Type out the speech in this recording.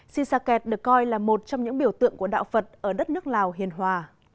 si saket được coi là một trong những biểu tượng của đạo phật ở đất nước lào hiền hòa